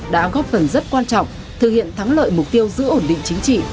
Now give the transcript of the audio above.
đã góp phần rất quan trọng thực hiện thắng lợi mục tiêu giữ ổn định chính trị